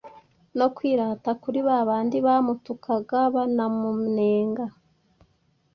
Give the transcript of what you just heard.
no kwirata kuri ba bandi bamutukaga, banamunenga.